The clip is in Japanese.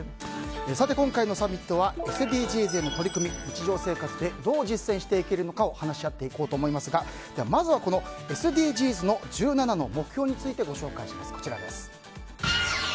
今回のサミットはＳＤＧｓへの取り組み日常生活でどう実践していけるのかを話し合っていこうと思いますがまずは、ＳＤＧｓの１７の目標についてご紹介します。